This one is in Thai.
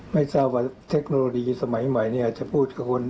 ไม่ทราบว่าเทคโนโลยีสมัยใหม่เนี่ยอาจจะพูดกับคน